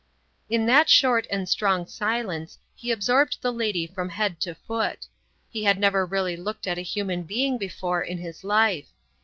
In that short and strong silence he absorbed the lady from head to foot. He had never really looked at a human being before in his life.